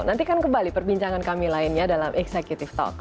nantikan kembali perbincangan kami lainnya dalam executive talk